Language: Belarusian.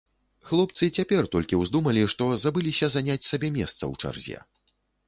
Хлопцы цяпер толькі ўздумалі, што забыліся заняць сабе месца ў чарзе.